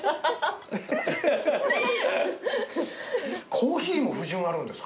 コーヒーも不純あるんですか？